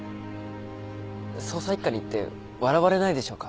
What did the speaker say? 捜査一課に行って笑われないでしょうか？